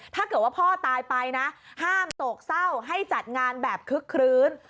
ถ้าเกิดว่าพ่อตายไปนะห้ามโศกเศร้าให้จัดงานแบบคึกคลื้น